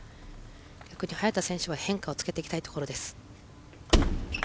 逆に早田選手は変化をつけていきたいところです。